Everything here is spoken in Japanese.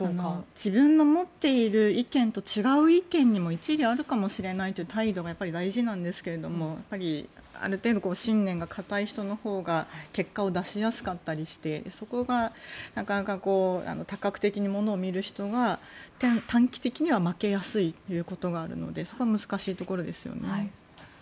自分の持っている意見と違う意見にも一理あるかもしれないという態度が大事なんですけどある程度信念の固い人のほうが結果を出しやすかったりしてそこがなかなか多角的に物を見る人が短期的には負けやすいということがあるのでそこは難しいところですね。